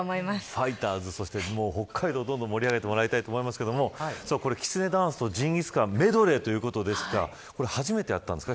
ファイターズ、そして北海道盛り上げてもらいたいですがきつねダンスとジンギスカンメドレーということですが初めてやったんですか。